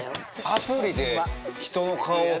アプリで人の顔を？